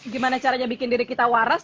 gimana caranya bikin diri kita waras